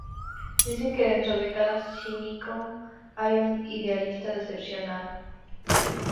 Dicen que dentro de cada cínico hay un idealista decepcionado.